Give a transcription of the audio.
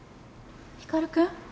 ・光君？